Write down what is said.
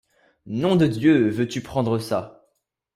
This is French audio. Nom de Dieu! veux-tu prendre ça !